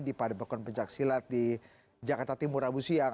di pada bekon pecak silat di jakarta timur rabu siang